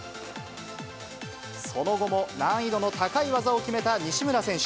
その後も難易度の高い技を決めた西村選手。